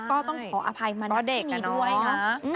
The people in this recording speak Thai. ก็ต้องขออภัยมานักที่มีด้วยนะ